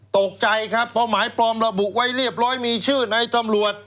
ตกใจครับเพราะหมายปลอมระบุไว้เรียบร้อยมีชื่อในตำรวจ